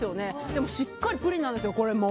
でもしっかりプリンなんですよこれも。